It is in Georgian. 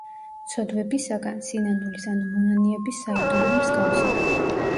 ცოდვებისაგან, სინანულის ანუ მონანიების საიდუმლო მსგავსად.